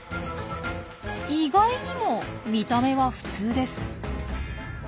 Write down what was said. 意外にも見た目は普通です。